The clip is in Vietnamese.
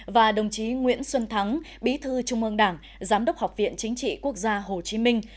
và đồng chí nguyễn xuân thắng bí thư trung ương đảng giám đốc học viện chính trị quốc gia hồ chí minh